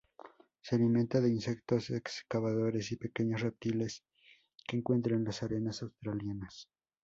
Se alimenta de insectos excavadores y pequeños reptiles que encuentra en las arenas australianas.